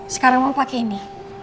sekarang mau pake ini